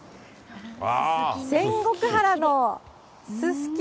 仙石原のすすき